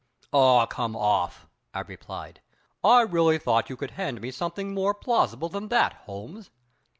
"Aw, come off!" I replied. "I really thought you could hand me something more plausible than that, Holmes.